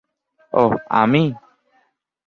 ওহ, আমি?